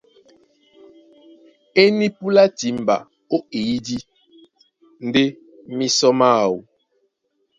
E nípúlá timba ó eyídí ndé mísɔ máō.